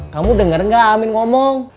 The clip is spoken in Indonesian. kamu denger gak amin ngomong